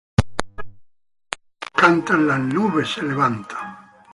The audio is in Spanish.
Los pajaritos cantan, las nubes se levantan.